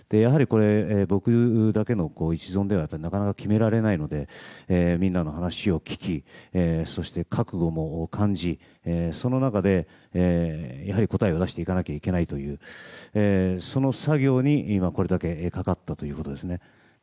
僕だけの一存ではなかなか決められないのでみんなの話を聞きそして覚悟も感じその中で答えを出していかなきゃいけないというその作業にこれだけかかったということですね。